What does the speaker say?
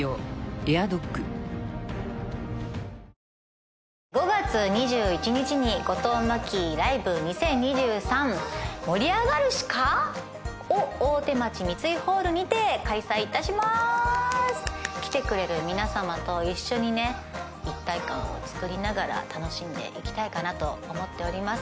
でっかいお肉焼いてると５月２１日に「後藤真希ＬＩＶＥ２０２３−盛り上がるしか！？−」を大手町三井ホールにて開催いたしまーす来てくれる皆さまと一緒にね一体感をつくりながら楽しんでいきたいかなと思っております